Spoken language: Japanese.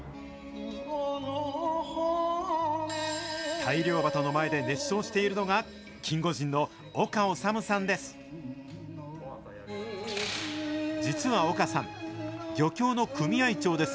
大漁旗の前で熱唱しているのが、キンゴジンの岡修さんです。